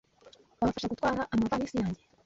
Wamfasha gutwara amavalisi yanjye?